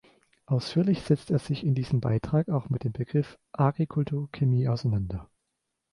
Ausführlich setzt er sich in diesem Beitrag auch mit dem Begriff Agrikulturchemie auseinander.